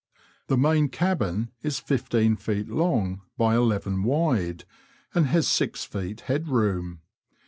The main cabin is fifteen feet long by eleven wide, and has six feet headroom.